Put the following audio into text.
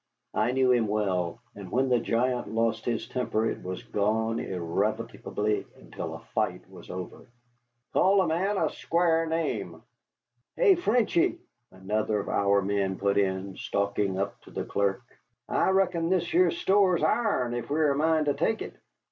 I knew him well, and when the giant lost his temper it was gone irrevocably until a fight was over. "Call a man a squar' name." "Hey, Frenchy," another of our men put in, stalking up to the clerk, "I reckon this here store's ourn, ef we've a mind to tek it.